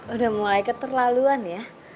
udah mulai keterlaluan ya